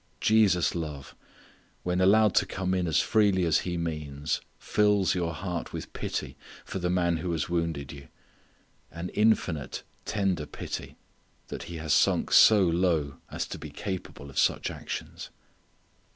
Jesus' love, when allowed to come in as freely as He means, fills your heart with pity for the man who has wounded you. An infinite, tender pity that he has sunk so low as to be capable of such actions.